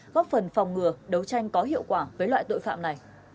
góp phần phòng ngừa đấu tranh có hiệu quả